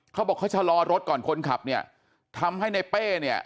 เขาบอกเขาชะลอรถก่อนคนขับเนี่ยทำให้ในเป้เนี่ย